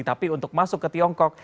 tapi untuk masuk ke tiongkok